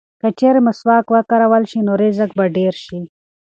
که چېرې مسواک وکارول شي نو رزق به ډېر شي.